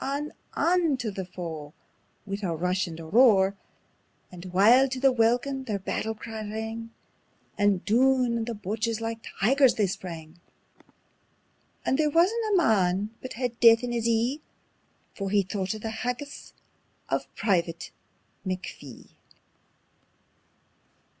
On, on tae the foe wi' a rush and a roar! And wild to the welkin their battle cry rang, And doon on the Boches like tigers they sprang: And there wisna a man but had death in his ee, For he thocht o' the haggis o' Private McPhee.